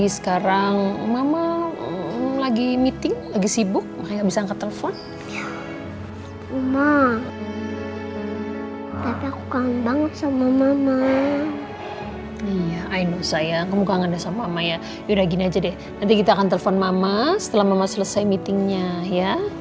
selesai meetingnya ya